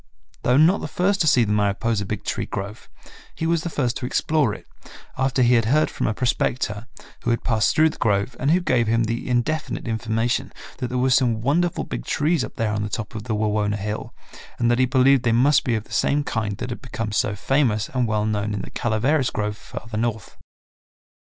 Though not the first to see the Mariposa Big Tree grove, he was the first to explore it, after he had heard from a prospector, who had passed through the grove and who gave him the indefinite information, that there were some wonderful big trees up there on the top of the Wawona hill and that he believed they must be of the same kind that had become so famous and well known in the Calaveras grove farther north.